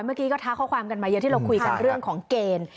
เมื่อกี้ก็ท้าข้อความกันมาเยอะที่เราคุยกันเรื่องของเกณฑ์